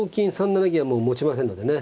３七銀はもうもちませんのでね。